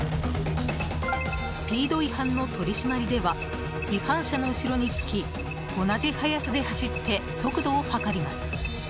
スピード違反の取り締まりでは違反車の後ろにつき同じ速さで走って速度を測ります。